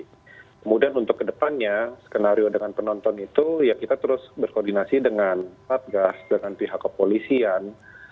kemudian untuk kedepannya skenario dengan penonton itu ya kita terus berkoordinasi dengan satgas dengan pihak kepolisian